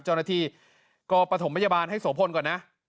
เจ้าหน้าที่ก็ประถมพยาบาลให้โสพลก่อนนะ